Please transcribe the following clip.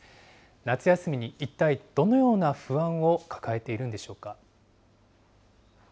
夏休みに一体どのような不安を抱えているんでしょうか。